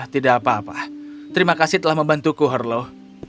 tidak apa apa terima kasih telah membantuku harlo